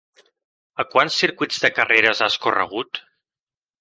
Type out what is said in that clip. A quants circuits de carreres has corregut?